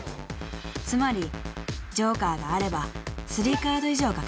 ［つまりジョーカーがあれば３カード以上が確定］